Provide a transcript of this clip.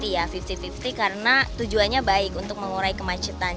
lima puluh lima puluh ya lima puluh lima puluh karena tujuannya baik untuk mengurai kemacetan